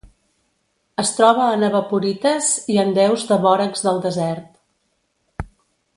Es troba en evaporites i en deus de bòrax del desert.